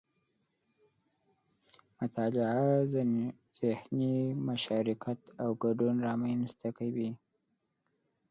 مطالعه ذهني مشارکت او ګډون رامنځته کوي